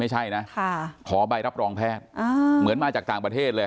เหมือนมาจากต่างประเทศเลย